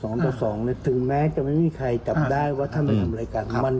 นักศึกออกจากวัด